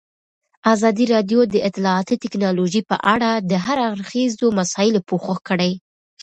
ازادي راډیو د اطلاعاتی تکنالوژي په اړه د هر اړخیزو مسایلو پوښښ کړی.